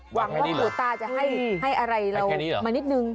หวังว่าครูต้าจะให้อะไรเรามานิดนึง